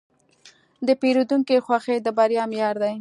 د پیرودونکي خوښي د بریا معیار دی.